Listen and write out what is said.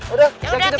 udah jaki dekat lagi nih